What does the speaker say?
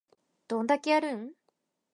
どんだけやるん